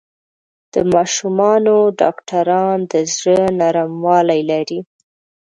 د ماشومانو ډاکټران د زړۀ نرموالی لري.